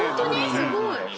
すごい。